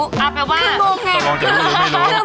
คือโบแฮม